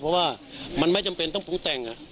เพราะว่ามันไม่จำเป็นต้องปรุงแต่ง